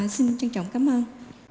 xin trân trọng cảm ơn